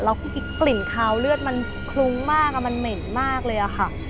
แล้วก็กลิ่นคาวเลือดมันคลุ้งมากมันเหม็นมากเลยอะค่ะ